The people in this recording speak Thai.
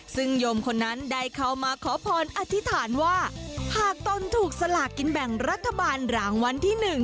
ซึ่งโยมคนนั้นได้เข้ามาขอพรอธิษฐานว่าหากตนถูกสลากกินแบ่งรัฐบาลรางวัลที่๑